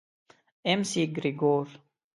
اېم سي ګرېګور.